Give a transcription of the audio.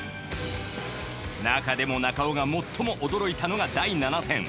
なかでも中尾が最も驚いたのが第７戦。